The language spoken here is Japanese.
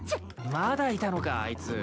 まだいたのかあいつ。